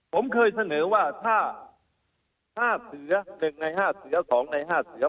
ผมเคยเสนอว่าถ้า๑หน่าย๕เสือ๒หน่าย๕เสือ